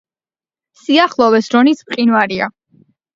სიახლოვეს რონის მყინვარია.